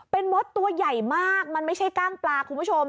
เป็นมดตัวใหญ่มากมันไม่ใช่กล้างปลาคุณผู้ชม